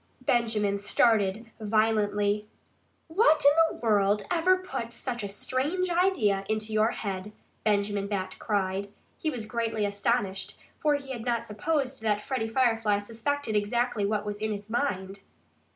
Benjamin started violently. "What in the world ever put such a strange idea into your head?" Benjamin Bat cried. He was greatly astonished, for he had not supposed that Freddie Firefly suspected exactly what was in his mind.